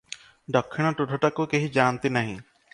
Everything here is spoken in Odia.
ଦକ୍ଷିଣ ତୁଠଟାକୁ କେହି ଯାଆନ୍ତି ନାହିଁ ।